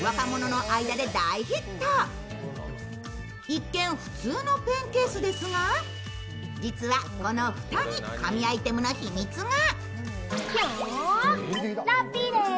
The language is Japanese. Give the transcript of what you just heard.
一見、普通のペンケースですが、実はこの蓋に神アイテムの秘密が。